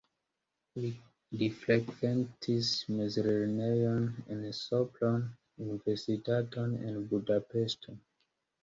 Li frekventis mezlernejon en Sopron, universitaton en Budapeŝto.